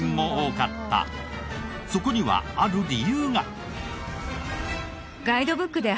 そこにはある理由が。